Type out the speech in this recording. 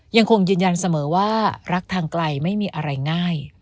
ยังคงยืนยันเสมอว่ารักทางไกลไม่มีอะไรง่าย